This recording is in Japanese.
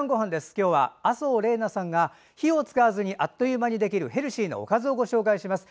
今日は麻生怜菜さんが火を使わずにあっという間にできるヘルシーなおかずをご紹介します。